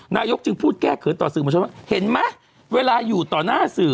นายกจึงพูดแก้เขินต่อสื่อมวลชนว่าเห็นไหมเวลาอยู่ต่อหน้าสื่อ